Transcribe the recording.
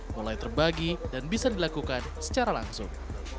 mulai terbagi dan bisa dilakukan secara langsung